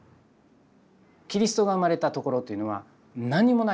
キリストが生まれたところというのは何もないところ。